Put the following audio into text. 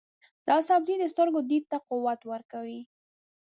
دا سبزی د سترګو دید ته قوت ورکوي.